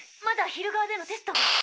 まだ昼側でのテストが。